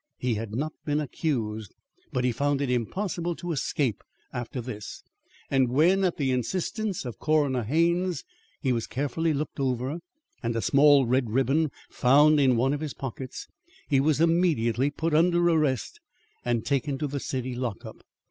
"He had not been accused; but he found it impossible to escape after this, and when at the instance of Coroner Haines he was carefully looked over and a small red ribbon found in one of his pockets, he was immediately put under arrest and taken to the city lock up.